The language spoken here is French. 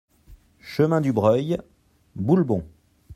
Chemin du Breuil, Boulbon